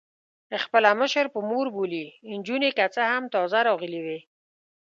خپله مشره په مور بولي، نجونې که څه هم تازه راغلي وې.